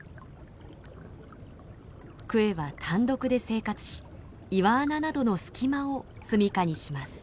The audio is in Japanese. クエは単独で生活し岩穴などの隙間を住みかにします。